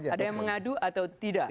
ada yang mengadu atau tidak